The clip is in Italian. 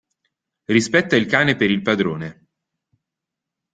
Rispetta il cane per il padrone.